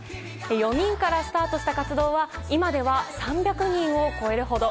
４人からスタートした活動は今では３００人を超えるほど。